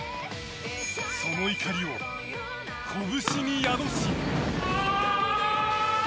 その怒りを拳に宿し。